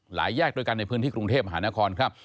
หลายแยกโดยการในพื้นที่กรุงเทพฯหานครครับ